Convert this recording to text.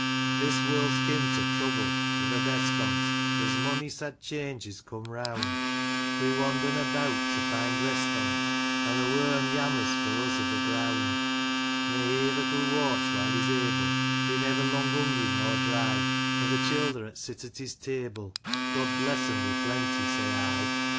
•••■•• This world's kin to trouble ; i' th' best on't, There's mony sad changes come reawnd ; We wandem abeawt to find rest on't, An' th' Worm yammers for us i' th' greawnd ; May he that '11 wortch while he's able, Be never long hungry nor dry ; An' th' childer 'at sit at his table, — God bless 'em wi' plenty, say I.